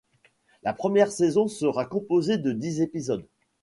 La première saison sera composée de dix épisodes.